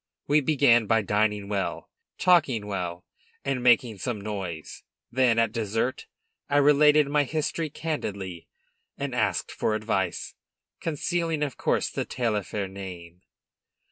We began by dining well, talking well, and making some noise; then, at dessert, I related my history candidly, and asked for advice, concealing, of course, the Taillefer name.